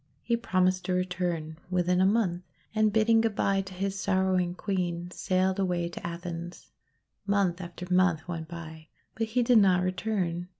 He promised to return within a month, and, bidding good bye to his sorrowing Queen, sailed away to Athens. Month after month went by, but he did not return.